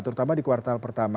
terutama di kuartal pertama